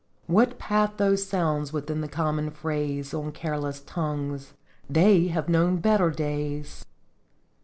" What pathos sounds within the common phrase On careless tongues :* They have known better days!'